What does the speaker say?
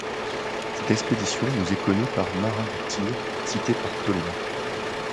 Cette expédition nous est connue par Marin de Tyr, cité par Ptolémée.